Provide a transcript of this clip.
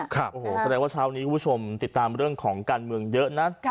แสดงว่าเช้านี้คุณผู้ชมติดตามเรื่องของการเมืองเยอะนะ